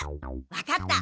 わかった。